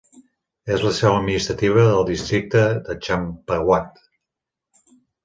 És la seu administrativa del districte de Champawat.